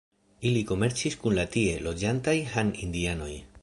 Ili komercis kun la tie loĝantaj Han-indianoj.